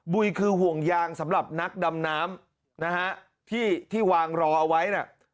ุยคือห่วงยางสำหรับนักดำน้ำนะฮะที่ที่วางรอเอาไว้น่ะ